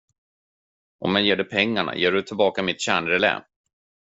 Om jag ger dig pengarna ger du tillbaka mitt kärnrelä.